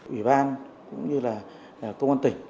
ủy ban cũng như là công an tỉnh